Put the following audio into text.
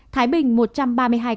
thái bình một trăm ba mươi hai ca